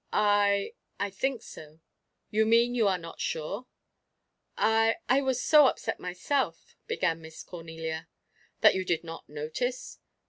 "I I think so." "You mean you are not sure?" "I I was so upset myself" began Miss Cornelia. "That you did not notice?"